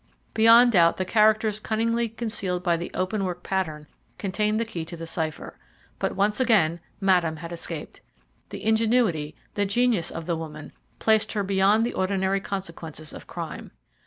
Beyond doubt the characters cunningly concealed by the openwork pattern contained the key to the cipher. But once again Madame had escaped. The ingenuity, the genius, of the woman placed her beyond the ordinary consequences of crime.